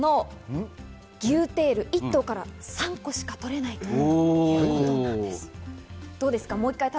牛テール、なんと一頭から３個しか取れないそうなんです。